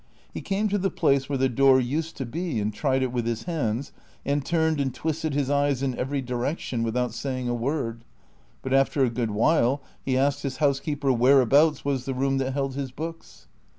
He came to the place where the door used to be, and tried it with his hands, and turned and twisted his eyes in every direction without saying a word ; but after a good while he asked his housekeeper whereabouts was the room that held his liooks.